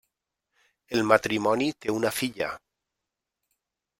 El matrimoni té una filla.